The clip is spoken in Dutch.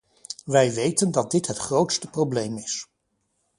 Wij weten dat dit het grootste probleem is.